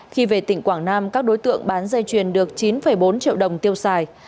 khi về tỉnh quảng nam các đối tượng bán dây chuyền được chín bốn triệu đồng tiêu xài